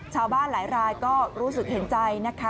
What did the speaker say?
ชาวบ้านหลายรายก็รู้สึกเห็นใจนะคะ